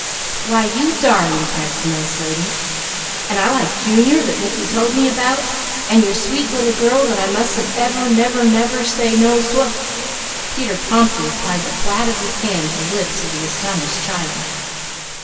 "Why you darling!" cried the nice lady. "And I like Junior, that Mickey told me about, and your nice little girl that I mustn't ever say no sw " Mickey promptly applied the flat of his hand to the lips of the astonished child.